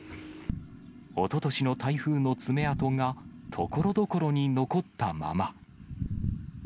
おととしの台風の爪痕がところどころに残ったまま。